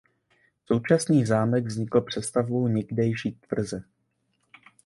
Současný zámek vznikl přestavbou někdejší tvrze.